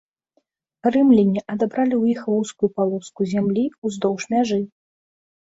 Рымляне адабралі ў іх вузкую палоску зямлі ўздоўж мяжы.